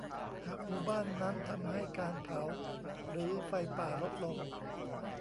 หากหมู่บ้านนั้นทำให้การเผา หรือ ไฟป่าลดลง